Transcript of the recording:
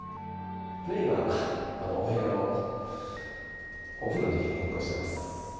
メインはお部屋をお風呂に変更してます。